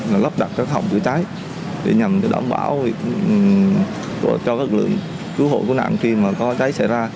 và lắp đặt các hộ chữa cháy để nhằm đảm bảo cho các lượng cứu hộ cứu nạn khi mà có cháy xảy ra